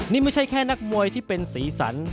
นี่ไม่ใช่แค่นักมวยที่เป็นสีสัน